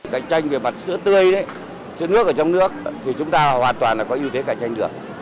cạnh tranh về mặt sữa tươi sữa nước ở trong nước thì chúng ta hoàn toàn là có ưu thế cạnh tranh được